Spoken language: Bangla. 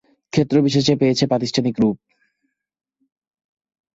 ক্ষেত্রবিশেষে পেয়েছে প্রাতিষ্ঠানিক রূপ।